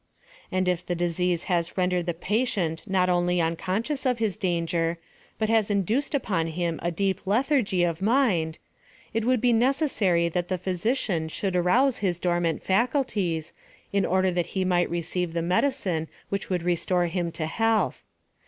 And if the disease has rendered the patient not only unconscious of his dan ger, but has induced upon him a deep lethargy of mind, it would be necessary that the physician should arouse his dormant faculties, in order that he might receive the medicine which would restore him to health.